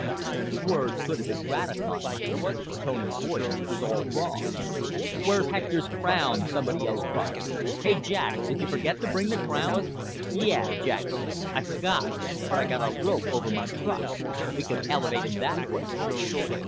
The words could have been gratifying but the tone of voice was all wrong. "Where's Hector's crown?" somebody else cried. "Hey, Jack, did you forget to bring the crown?" "Yeah," Jack said. "I forgot. But I got a rope over on my truck. We could elevate him that way."